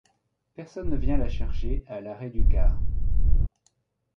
Personne ne vient la chercher à l'arrêt du car.